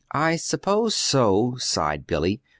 "I suppose so," sighed Billy.